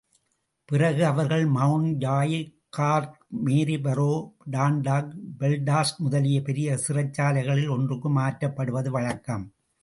பிறகு அவர்கள் Mountjoy, Cork, Maryborough, Dundalk, Belfast முதலிய பெரிய சிறைச்சாலைகளில் ஒன்றுக்கு மாற்றப்படுவது வழக்கம்.